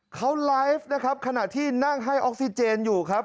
เขาไลฟ์นะครับขณะที่นั่งให้ออกซิเจนอยู่ครับ